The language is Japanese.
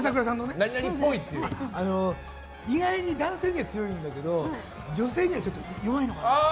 意外に男性には強いんだけど女性にはちょっと弱いのかな。